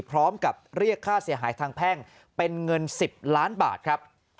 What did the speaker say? พร้อมกับเรียกค่าเสียหายทางแพ่งเป็นเงิน๑๐ล้านบาทครับ